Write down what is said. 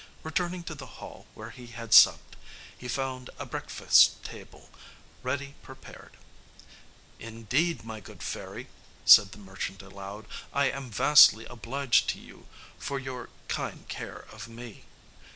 Returning to the hall where he had supped, he found a breakfast table, ready prepared. "Indeed, my good fairy," said the merchant aloud, "I am vastly obliged to you for your kind care of me."